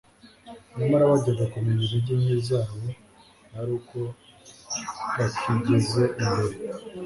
nyamara bajyaga kumenya intege nke zabo ari uko bakigeze imbere.